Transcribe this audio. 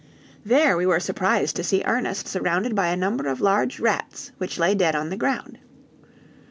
There we were surprised to see Ernest surrounded by a number of large rats which lay dead on the ground.